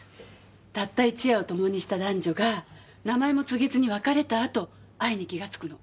たった一夜を共にした男女が名前も告げずに別れた後愛に気がつくの。